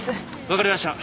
分かりました。